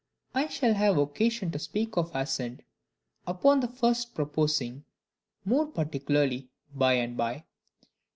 I shall have occasion to speak of assent upon the first proposing, more particularly by and by.